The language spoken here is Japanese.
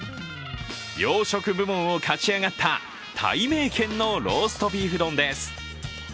洋食部門を勝ち上がったたいめいけんのローストビーフ丼です。